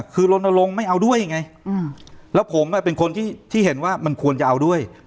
คือลนลงไม่เอาด้วยไงแล้วผมเป็นคนที่เห็นว่ามันควรจะเอาด้วย